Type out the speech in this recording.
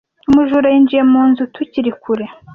Umujura yinjiye mu nzu tukiri kure.